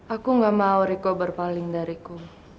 aku gak mau riko berpaling dariku